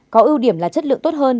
có ưu điểm là chất lượng tốt hơn